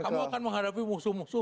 kamu akan menghadapi musuh musuh